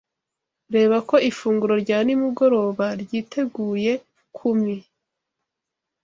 Reba ko ifunguro rya nimugoroba ryiteguye kumi.